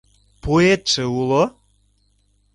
Пуэтше уло?